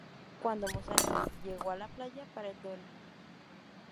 Cuándo Musashi llegó a la playa para el duelo...